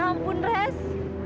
ayo letakkan aku di rumah